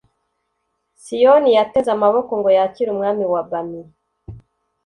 Siyoni yateze amaboko ngo yakire umwami wa bami